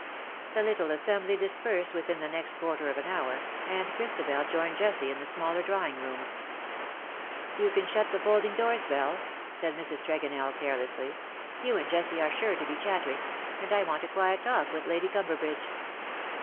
^"* The little assembly dispersed within the next quarter of an hour, and Christabel joined Jessie in the smaller drawing room. LE SECRET DE I'OLICHINELLE. 337 " You can shut the folding doors^ Belle," said Mrs. Tregonell, carelessly. " You and Jessie are sure to be chattering ; and I want a quiet talk with Lady Cumberbridge."